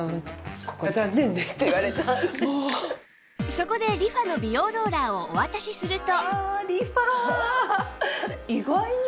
そこでリファの美容ローラーをお渡しすると